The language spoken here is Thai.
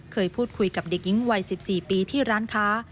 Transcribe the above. เคยพูดคุยกับเด็กหญิงวัย๑๔ปีที่ร้านค้า